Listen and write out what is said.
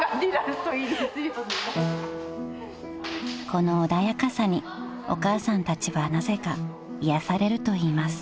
［この穏やかさにお母さんたちはなぜか癒やされるといいます］